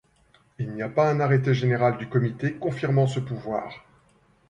Il n'y a pas un arrêté général du Comité confirmant ce pouvoir.